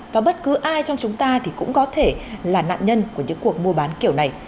và bất cứ ai trong chúng ta thì cũng có thể là nạn nhân của những cuộc mua bán kiểu này